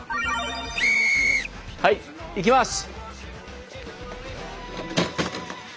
はいいきます。